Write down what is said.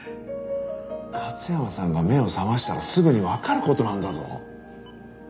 勝山さんが目を覚ましたらすぐにわかる事なんだぞ？